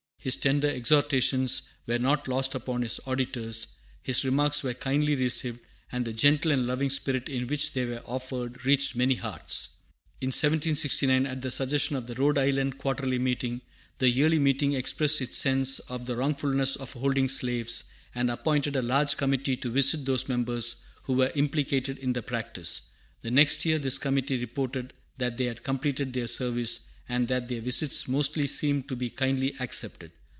His tender exhortations were not lost upon his auditors; his remarks were kindly received, and the gentle and loving spirit in which they were offered reached many hearts. In 1769, at the suggestion of the Rhode Island Quarterly Meeting, the Yearly Meeting expressed its sense of the wrongfulness of holding slaves, and appointed a large committee to visit those members who were implicated in the practice. The next year this committee reported that they had completed their service, "and that their visits mostly seemed to be kindly accepted.